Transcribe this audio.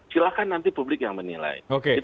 silahkan nanti publik yang menilai